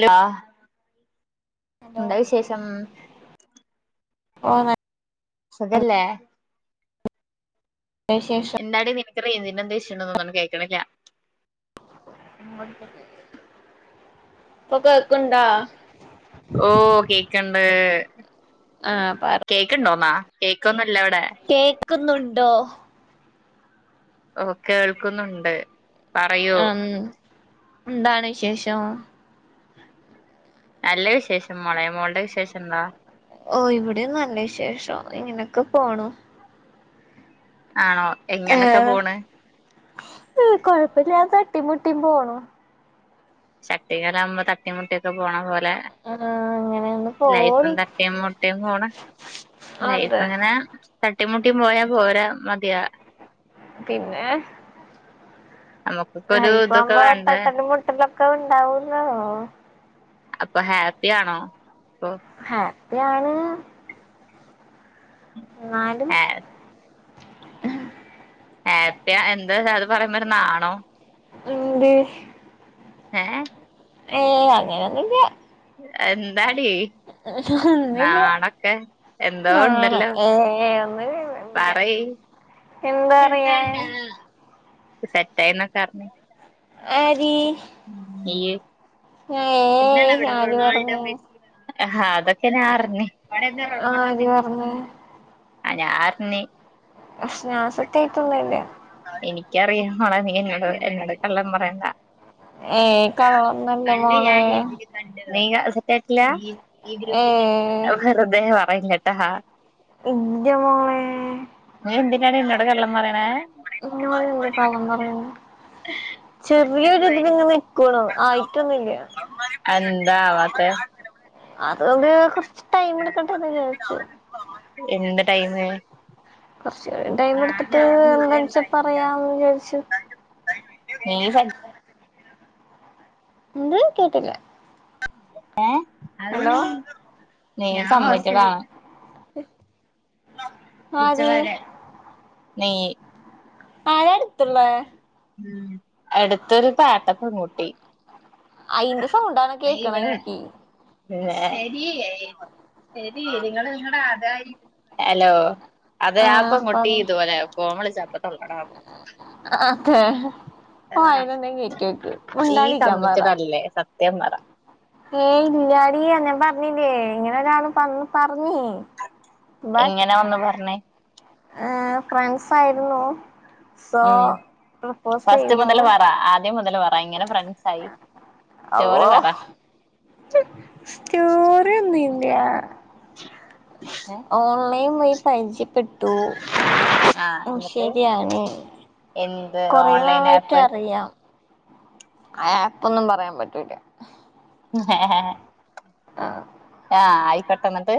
Law hello ഓ ന സുഖല്ലേ വിശേഷം എന്താടി [unintelligible] റെയിഞ്ചിന്റെ ഇഷ്യൂ ഉണ്ടെന്ന് തോന്നുന്നു കേൾക്കുന്നില്ല [unintelligible] ഇപ്പൊ കേക്ക്ണ്ടോ ഓ കേൾക്ണ്ട് ആഹ് പറ കേക്ണ്ടോ ന്നാ കേ ക്കുന്ന് കേക്കുന്നുണ്ടോ കേൾക്കുന്നുണ്ട് പറയൂ ഉം എന്താണ് വിശേഷം നല്ല വിശേഷം മോളെ മോൾടെ വിശേഷം എന്നാ ഓഹ് ഇവിടേം നല്ല വിശേഷം ഇങ്ങനൊക്കെ പോണു ആണോ എങ്ങനൊക്കെ പോണ് ആഹാ കൊഴപ്പില്ല തട്ടിമുട്ടി തട്ടിം മുട്ടിം പോണു ചട്ടിം കലോം ആവുമ്പോ തട്ടിം മുട്ടിക്കെ പോണപോലെ ആഹ് അങ്ങനെയൊന്ന് ലൈഫും പോണ് തട്ടിം മുട്ടിം പോണ് ലൈഫ് അതെ ഇങ്ങനെ തട്ടിം മുട്ടിം പോയ പോരാ മതിയാ പിന്നെ നമുക്കൊക്കെ ഒരു ലൈഫ് ഇതൊക്കെ ആകുമ്പോ വേണ്ടേ തട്ടലും മുട്ടലുവോക്കെ ഉണ്ടാവൂലോ അപ്പൊ ഹാപ്പി ആണോ ആണ് ന്നാലും ആഹാ ഹാപ്പിയാ എന്താ അത് പറയുമ്പോ ഒരു നാണം എന്തെ യേ ഏ അങ്ങനെയൊന്നില്ല എന്താടി ഒന്നുല്ല നാണൊക്കെ എന്തോ നാണോ ഇണ്ടല്ലോ ഏ ഒന്നുമില്ല പറയ് എന്താ പറയാൻ സെറ്റായിനൊക്കെ അറിഞ്ഞ് ആടി ഇയ് ഏ എന്താനവിടെ ആര് റൊണാൾഡോ പറഞ്ഞ് മെസ്സി അതൊക്കെ ഞാൻ അറിഞ്ഞ് ആര് പറഞ്ഞ് അറിഞ്ഞ് നാസ്തക്കെക്കില്ലെന്നെയാ എനിക്കറിയാം മോളെ നീ എന്നോട് നീ എന്നോട് കള്ളം പറയേണ്ട ഏയ് കള്ളൊന്നല്ല കണ്ട് മോളെ ഞാന് നീയാണ് സത്യം കേട്ടില്ല ഏയ് വെറുതെ പറയല്ലേ ആഹാ എന്റെമോനെ നീ എന്തിനാടി എന്നോട് കള്ളം പറയുന്നേ പറയിണെ ഇന്നോടെന്ത് കള്ളം പറയുന്നു ചെറിയൊരു ഇതിലിങ്ങ് നിക്കണു ആയിട്ടൊന്നുമില്ല എന്താ ആവാത്തേ? അതുകൊണ്ട് കുറച്ച് ടൈം എടുക്കട്ടേന്ന് വിചാരിച്ചു. എന്ത് ടൈം? കുറച്ച് നേരം ടൈം എടുത്തിട്ട് എന്തച്ചാ പറയാനുവിചാരിച്ച്. ഏ എന്ത്? കേട്ടില്ല. ഏ ഹലോ നീ സമ്മതിക്കടാ. ആര്? നീ ആരാ അടുത്തുള്ളേ? അടുത്തൊരു താഴത്തെ പെൺകുട്ടി അയിന്റെ സൗണ്ടാണോ കേക്കണെ ഇനിക്ക് പിന്നെ എടി ഏ ഹലോ അതെ ആ ആഹ് പെൺ കുട്ടി പറ ഇതുപോലെ ഫോൺ വിളിച്ചാ അപ്പോ തൊള്ള ട ഹേ ഹ [unintelligible] മുണ്ടാണ്ടിരിക്കാൻ പറ ത്യം പറ ഹേ ഇല്ലാടി ഞാ ഞ്ഞില്ലേ [unintelligible] എങ്ങനെ വന്ന് പറഞ്ഞ്? ആ ഫ്രണ്ട്സ് ആയിരുന്നു. സോ ഉം പ്രൊപ്പോസ് ഫസ്റ്റ് യ്തു മുതൽ പറ ആദ്യം മുതൽ പറ ഇങ്ങനെ ഫ്രണ്ട്സ് ആയി ഓ സ്റ്റോറി പറ ക്യൂരിന്നു ഇല്ല ഓൺലൈൻ വഴി പരിച പ്പെട്ടു ആഹ് എന്നിട്ട് ശരിയാണ് എന്ത് കുറെ ഓൺലൈൻ ആപ്പ് നാളായിട്ടറിയാം. ആപ്പൊന്നും പറയാൻ പറ്റൂല. ഹേ ഹേ ആ ആയി പെട്ടന്നിട്ട്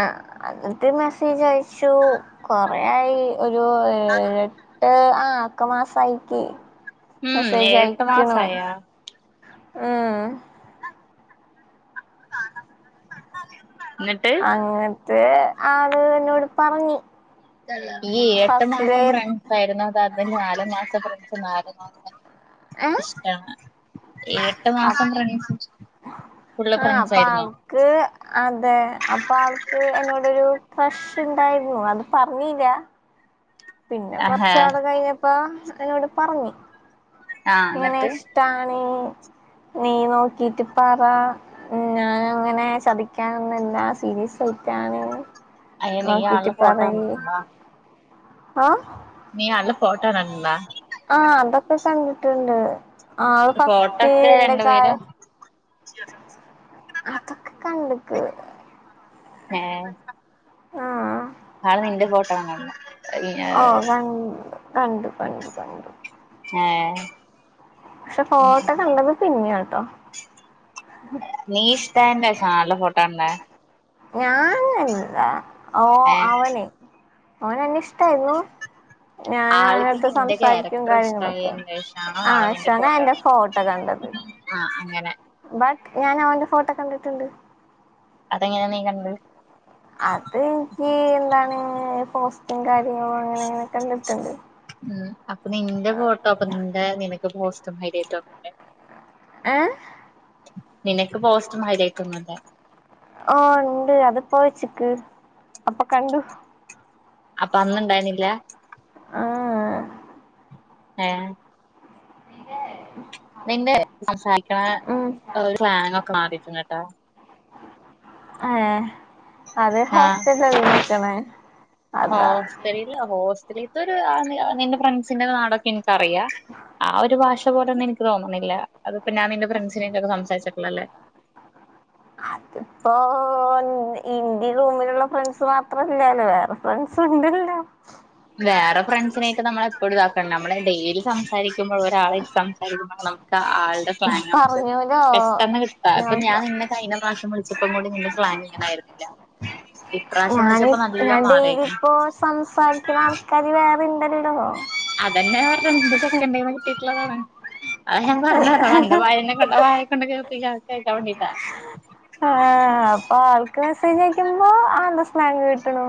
ആ അന്നിട്ട് മെസേജ് അയച്ചു. കുറേയായി ഒരു ഏഴ് എട്ട് ആ ഒക്കെ മാസമായിക്ക് ഉം. ഏഴ് എട്ട് മാസമായോ? ങ് എന്നിട്ട് അങ്ങ [unintelligible] ആള് എന്നോട് പറഞ്ഞ് ഫസ്റ്റില് [unintelligible] നാല് മാസ ഏഹ് ഇഷ്ട്ടാണ് എ ട്ട് അപ് മാസം ഫ്രണ്ട്സ് ഉള്ള ആഹ് ഫ്രണ്ട്‌സ് അപ്പ ആരുന്നോ ആൾക്ക് അതെ അപ്പ ആൾക്ക് എന്നോടൊരു ക്രഷ് ണ്ടാരുന്നു അത് പറഞ്ഞില്ല പിന്ന ആഹാ കൊറച്ച് നാല് കഴിഞ്ഞ പ്പ എന്നോട് പറഞ്ഞ് ആഹ് ഇങ്ങനെ എന്നിട്ട് ഇഷ്ട്ടാണ് നീ നോക്കീട്ട് പറ ഞാൻ അങ്ങനെ ചതിക്കാനൊന്നുല്ല സീരിയസ് ആയിട്ടാണ് അയിന് നീ നോക്കിട്ട് ആളുടെ ഫോട്ടോ പറയ് കണ്ടിട്ടൊണ്ട ആഹ് നീ ആളുടെ ഫോട്ടോ കണ്ടിട്ടൊണ്ട ക്കെ കണ്ടിട്ടൊണ്ട് ആ അത് ഫോട്ടോ ഒക്കെ ൻ്റെ കാ രണ്ടുപേരും അതൊക്കെ കണ്ടിക്ക് ങ്ങേ ആ ആള് നിന്റെ ഫോട്ടോ കണ്ടിട്ട്ണ്ട ഓ കൺ കണ്ടു കണ്ടു കണ്ടു ഏ പക്ഷെ ഫോട്ടോ കണ്ടത് പിന്നയാട്ടോ നീ ഇഷ്ടായിണ്ട ആളുടെ ഫോട്ടോ കണ്ടേ ഞാൻ എൻ ഓ ഏഹ് അവനെ ഓന് എന്നെ ഇഷ്ടായിരുന്നു ഞാൻ ആൾക്ക് അവനടുത്ത് നിന്റെ സംസാരിക്കും കാരക്ടർ കാര്യങ്ങളൊക്കെ ഇഷ്ടയായെന്നുശേഷാണോ ആള് ആഹ് നിന്റെ ഷനാ ഫോട്ടോ എന്റെ ഫോട്ടോ കണ്ടത് കണ്ട ആ അങ്ങനെ ബട്ട് ഞാൻ അവന്റെ ഫോട്ടോ കണ്ടിട്ടൊണ്ട് അതെങ്ങന നീ കണ്ട് അത് [unintelligible] എന്താണ് [unintelligible] [unintelligible] ഞാൻ അങ്ങന അങ്ങന കണ്ടിട്ടുണ്ട് ഉം അപ്പൊ നിന്റെ ഫോട്ടോ അപ്പൊ നിന്റെ നിനക്ക് പോസ് തുംഹെരെ തുംനേ [unintelligible] ഏഹ് പോസ്റ്റും ഹൈലൈറ്റും ഒന്നുമില്ല ഓ ണ്ട് അത്പ്പോ വെച്ചിക്ക് അപ്പൊ കണ്ടു അപ്പൊ അന്നുണ്ടായിരുന്നില്ല ആഹ് ഏഹ് തേ [unintelligible] നിന്റെ സംസാരിക്കണ സ്ലാങ് ഒക്കെ മാറിക്ക്ണ് ട്ടോ ഏഹ് അത് ഹോസ്റ്റൽലല്ലേ നിക്ക്ണേ അതാ ഇതൊരു ആദ്യ നിന്റെ ഫ്രണ്ട്‌സ്ന്റെ നാട ഇൻകറിയ ആ ഒരു ഭാഷ പോലെ ന്ക് തോന്ന്ണില്ല. അത്പ്പോ ഞാൻ നി ഫ്രണ്ട്‌സ്നേറ്റൊക്കെ സംസാരിച്ചിട്ടില്ലല്ലേ പ്പോ ഇൻ ഇന്റീ റൂമില്ള്ള ഫ്രണ്ട്‌സ് മാത്രല്ലലോ വേറെ മൻസുണ്ടല്ലോ വേറെ ഫ്രണ്ട്‌സ് നേറ്റ് ഞമ്മളെപ്പയും തക്കെണ്ട് ഞമ്മൾ ഡെയിലി സംസാരിക്കുമ്പോ ഒരാളേറ്റ് സംസാരിക്കുമ്പോ നമുക്ക് ആൾടെ ഞാൻ [unintelligible] പറഞ്ഞൂലോ പെട്ടന്ന് കിട്ടാൻ പ്പോ ഞാൻ നിന്നെ കൈഞ്ഞ പ്രാവശ്യം വിൾ പ്പമുതൽ ഇന്ക് പ്ലാനിങ് ണ്ടായിർന്നില്ല ഞാൻ ഞാൻ ഡെയിലി പ്പോ പ പ യിനാൾക്കാര് വേറെണ്ടല്ലോ റ്റ്ലപാറെ അഹ് ഞാൻ പറഞ്ഞെരാ എന്റെ വായനെ കൊണ്ട് വായെക്കൊണ്ട് കേ [unintelligible] ആ അപ്പൊ ആൾക്ക് മെസ്സേജയക്കുമ്പോ ആ മാങ്ങ ക് ട്ടണോ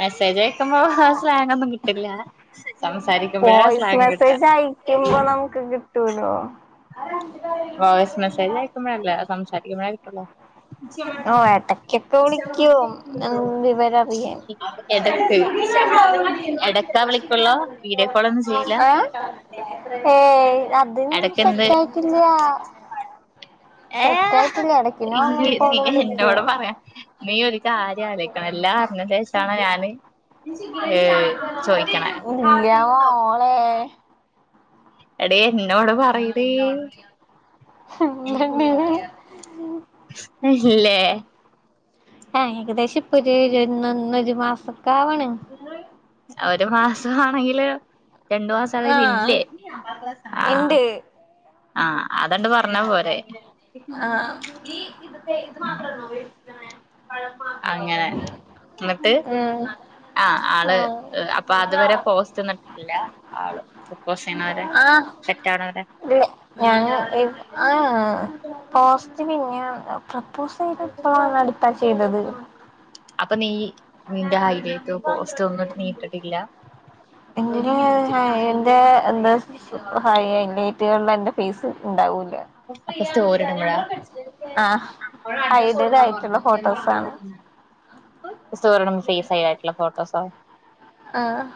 മെസേജയ ക്കുമ്പോ സ്ലാങ്ങൊന്നും കിട്ടില്ല സംസാരിക്കുമ്പോഴാണ് വോയിസ് സ്ലാങ് കിട്ടാ മെസ്സേജ് അയക്കുമ്പോ നമുക്ക് ക് തുരോ വോയിസ്‌ മെസ്സേജയക്കുമ്പോഴല്ല സംസാരിക്കുമ്പോഴ കിട്ടൊള്ളു. ഓ എടക്കൊക്കെ വിളിക്കും എൻ വിവരറിയാം എടക്ക് എടക്കാ വിളിക്കുള്ളൂ വീഡിയോ കോളൊന്നും ചെയ്യില്ല ആഹ് ഏഹ് അത് ന്നും എടക്കെന്ത് സെറ്റായിട്ടില്ല സെറ്റായിട്ടില്ല എടക്കിനോ ഇന്നോട് പറയാം നീ ഒരു കാര്യാലോയ്ക്കണം എല്ലാം അർഞ്ഞേന്റെഷാണ് ഞാന് ഏ ചോയ്ക്ക്ണെ ആ എടെ എന്നോട് പറയെടെ ണ്ട് ഇല്ലെ ആ ഏകദേശം ഇപ്പൊ ഒരു ഒന്നൊന്ന ഒരു മാസം ഒരു മാസമാണെങ്കില് രണ്ടു മാസം ആഹ് അതിലില്ലേ ഇണ്ട് ആഹ അതണ്ട് പറഞ്ഞാ പോരെ ആഹ് അങ്ങനെ എന്നിട്ട് ഉം ആ ആള് അപ്പൊ അതുവരെ പോസ്റ്റൊന്നുട്ടിട്ടില്ല. ആള് പ്രൊപ്പോസ് ചെയ്യണവരെ. ആഹ് സെറ്റ് ആവണവരെ ഇല്ല ഞാൻ എ ആ പോസ്റ്റ് പിന്നെണ്ട് പ [unintelligible] ഇപ്പഴ അടുത്ത ചെയ്തത അപ്പൊ നീ നിന്റെ ഹൈലൈറ്റൊ പോസ്റ്റോ ഒന്നും നീ ഇട്ടിട്ടില്ല [unintelligible] ത്തിയുളള എന്റെ ഫേസ് ഉണ്ടാവൂ സ്റ്റോറിയിടുമ്പഴാ ആഹ് ഹൈഡഡ് ആയിട്ടുള്ള ഫോട്ടോസാണ് സ്റ്റോറിയിടു പേസ് ഹൈഡ് ആയിട്ടുള്ള ഫോട്ടോസാണ് ആഹ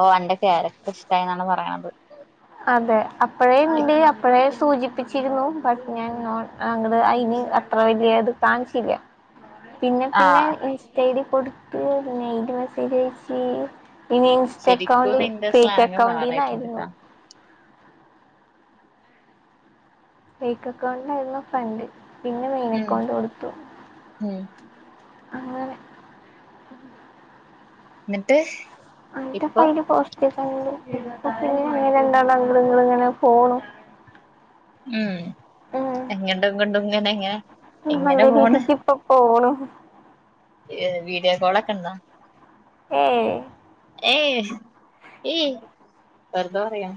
ഓ അന്റെ കാരക്റ്റർ ഇഷ്ടായി എന്നാണ് പറയണ [inaudible] അതെ അപ്പഴേന്റെയും അപ്പ് ഇപ്പഴേ സൂചിപ്പിച്ച് ച്ചിരുന്നു ബട്ട് ഞാൻ നോൺ ആ ഇങ്ങള് അയിന് അത്ര വലിയ ഇത് കാണിച്ചില്ല്യ പിന്നെ പിന്നെ ആഹ് ഇൻസ്റ്റ ഐഡി കൊടു [unintelligible] ഇനി ഇൻസ്റ്റ ശരിക്കും അക്കൗണ്ട് നിന്റെ ഫേക്ക് സ്ലാങ് മാറായിട്ടുണ്ട് അക്കൗണ്ടീന്നായിരുന്നു ട്ടാ ഫേക്ക് അക്കൗണ്ടിലായിരുന്നു ഫ്രണ്ട് പിന്നെ മെയിൻ ഉം അക്കൗണ്ട് കൊടുത്തു ഉം അങ്ങനെ എന്നിട്ട് ഇപ്പൊ [unintelligible] ഉം [unintelligible] ഏ ഉം നല്ല രീതിക്കിപ്പോ പോണു [unintelligible] വിഡിയോ കോൾ ഒക്കെ ഒണ്ടാ എയ് ഏയ് എയ് വെർതെ പറയാ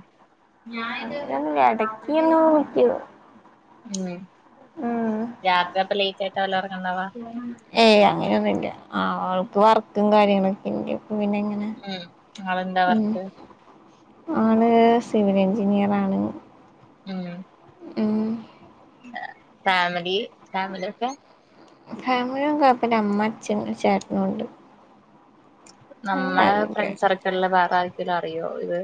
അങ്ങനെന്നുല്ല ഇടക്ക് ന്ന് വിളിക്കും [unintelligible] ഉം രാത്രി അപം ലൈറ്റായിട്ടാല്ലേ ഒറങ്ങുന്നത്? ആ അവൾക്ക് വർക്കും കാര്യങ്ങളൊക്കെണ്ട് നാളെ ണ്ടോ വർക്ക്‌ ആള് സിവിൽ എൻജിനിയറാണ് ആ ഉം ഫാമിലി ഫാമിലി ഒക്കെ ഫാമിലിഒന്നും കൊയപ്പല്ല അമ്മ അച്ഛൻ ചേട്ടനും ണ്ട് നമ്മളെ ഫ്രണ്ട്സ് വേറെ ആർക്കെ അയ്യോ ഇത്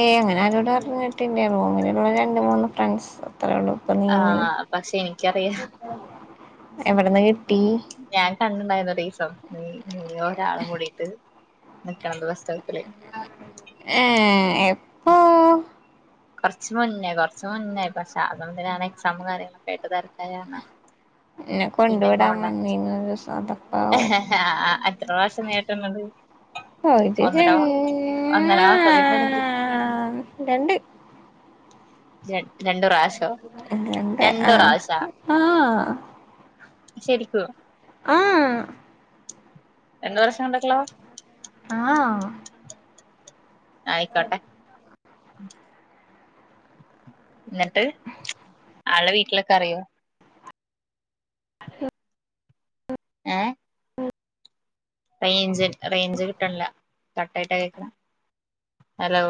ഏയ് അങ്ങനെ ആരോടും അറിഞ്ഞിട്ടില്ല റൂമില് രണ്ട് മൂന്ന്ഫ്രണ്ട്സ് ആ പക്ഷെ ഇനിക്കറിയാം എവട്ന്ന് കി ഞാൻ കണ്ടിണ്ടായിര്ന്ന് ഒരീസം [unintelligible] [unintelligible] ഒരാളും കൂടി ണ്ട് [unintelligible] ഏ എപ്പോ കൊർച്ച് മുന്നേ കൊർച്ച് മുന്നേ അപ്പം ഞാൻ എക്സാം കാര്യങ്ങളൊക്കെ ആയിട്ട് തെരക്ക എന്നെകൊണ്ട് വിടാൻ വന്നീനു ഒരീസം ഒന്റെ ഇപ്പാ എത്ര [unintelligible] പോയിട്ട് ഒന്നര ഒന്നര മാസത്തിന്റെടക്ക് [unintelligible] രണ്ട് രണ്ടരണ്ട്പ്രാശം രണ്ട് പ്രാശോ ആ ശെരിക്കും ആ ആ [unintelligible] അയ് കോട്ടെ [unintelligible] ന്നിട്ട് ആളെ വീട്ടിലൊക്കെ അറിയോ [unintelligible] ഏ റേഞ്ച് റേഞ്ച് കിട്ടനില്ല കട്ട് ആയിട്ട കേക്ക ഹലോ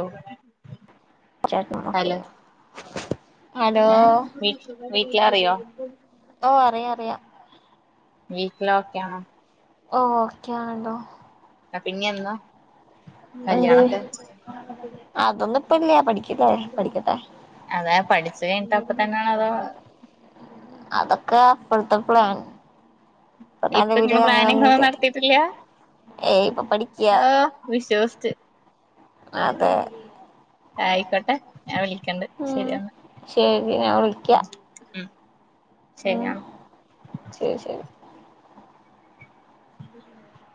ഹലോ [unintelligible] ഹലോ ഏ വെ വെയ്റ്റ് ചെയ്യാൻ അറിയോ ഓ അറിയാം അറിയാം വീട്ടിൽ ഒക്കെ ആണോ ഓക്കെയാണല്ലോ അപ്പ ഇഞ്ഞ് എന്ന എന്ത് അതൊന്നും ഇപ്പ ഇല്ലാ പഠിക്കല്ലേ പഠിക്കട്ടെ ഇത് കഴിഞ്ഞിട്ട് അപ്പ തന്നെ ആണോ അതോ അതൊക്കെ അപ്പളത്തെ പ്ലാൻ ഇപ്പൊ ഇപ്പോ നിലവില് പ്ലാനിങ് ഒന്നും അങ്ങനൊന്നുമില്ല നടന്നിട്ടില്ല ഏയ് ഇപ്പൊ പഠിക്ക ലോ വിശ്വസിച്ച് അതെ ആയിക്കോട്ടെ ഞാൻ വിളിക്കണ്ട് ഉം ശരി എന്ന ശരി ഞാൻ വിളിക്കാം ഉം ഉം ശരിയെന്നാ ശരി ശരി [unintelligible]